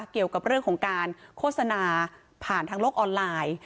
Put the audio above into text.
เกี่ยวกับเรื่องของการโฆษณาผ่านทางโลกออนไลน์